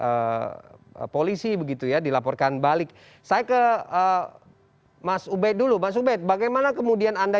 dan juga ke polisi begitu ya dilaporkan balik saya ke mas ub dulu masuk bagaimana kemudian anda